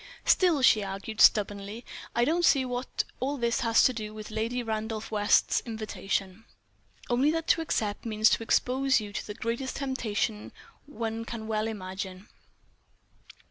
"Still," she argued, stubbornly, "I don't see what all this has to do with Lady Randolph West's invitation." "Only that to accept means to expose you to the greatest temptation one can well imagine."